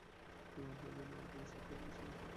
তুমি অপরাধী নও, একজন শোগার্ল যে এসবে জড়িয়ে গেছে।